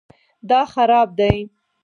دا خراب دی